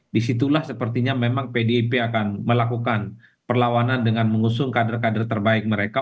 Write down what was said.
disitulah sepertinya memang pdip akan melakukan perlawanan dengan mengusung kader kader terbaik mereka